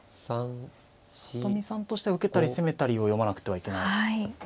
里見さんとしては受けたり攻めたりを読まなくてはいけない。